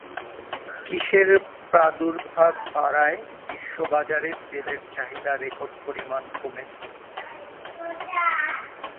কিসের প্রাদুর্ভাব বাড়ায় বিশ্ববাজারে তেলের চাহিদা রেকর্ড পরিমাণ কমেছে?